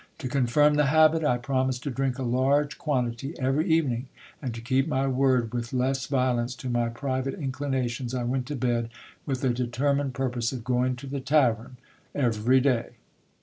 To coifirm the habit, I promised to drink a large quantity every evening; and, to ket p my word with less violence to my private inclinations, I went to bed with a determined purpose of going to the tavern every day.